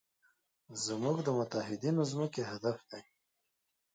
زموږ د متحدینو ځمکې هدف دی.